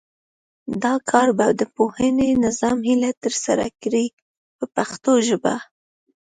دا کار به د پوهنې نظام هیلې ترسره کړي په پښتو ژبه.